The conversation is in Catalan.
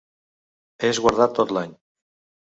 És guardat tot l'any.